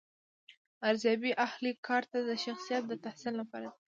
ارزیابي اهل کار ته د شخصیت د تحسین لپاره ده.